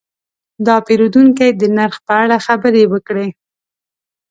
دا پیرودونکی د نرخ په اړه خبرې وکړې.